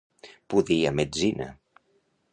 Pudir a metzina.